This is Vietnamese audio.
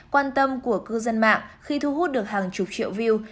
quan tâm của cư dân mạng khi thu hút được hàng chục triệu view